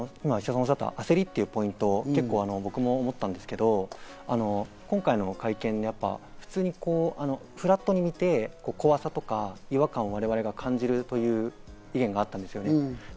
石田さんがおっしゃった焦りというポイント、僕も思ったんですけど、今回の会見で、普通にフラットに見て怖さとか違和感を我々が感じるということがあったんですね。